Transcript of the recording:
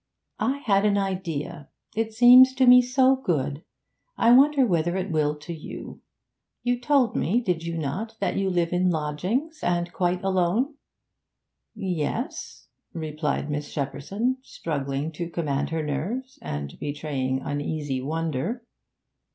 'I had an idea; it seems to me so good. I wonder whether it will to you? You told me, did you not, that you live in lodgings, and quite alone?' 'Yes,' replied Miss Shepperson, struggling to command her nerves and betraying uneasy wonder.